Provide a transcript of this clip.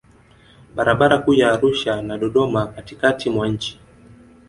Barabara kuu ya Arusha na Dodoma katikatikati mwa nchi